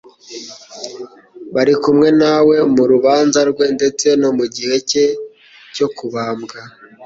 bari kumwe na we mu rubanza rwe ndetse no mu gihe cye cyo kubambwa